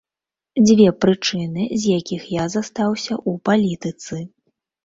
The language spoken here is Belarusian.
Дзве прычыны, з якіх я застаўся ў палітыцы.